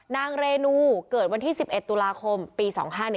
นางเรนูเกิดวันที่๑๑ตุลาคมปี๒๕๑